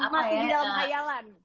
masih di dalam khayalan